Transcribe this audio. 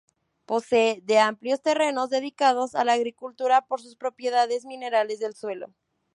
Posee de amplios terrenos dedicados a la agricultura por sus propiedades minerales del suelo.